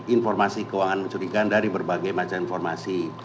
informasi keuangan mencurigaan dari berbagai macam informasi